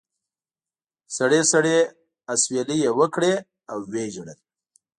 سړې سړې اسوېلې یې وکړې او و یې ژړل.